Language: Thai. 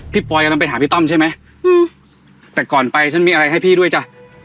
ปอยกำลังไปหาพี่ต้อมใช่ไหมอืมแต่ก่อนไปฉันมีอะไรให้พี่ด้วยจ้ะ